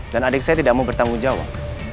dan adik saya tidak mau bertanggung jawab